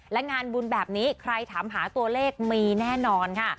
และงานบุญแบบนี้ใครถามหาตัวเลขมีแน่นอนค่ะ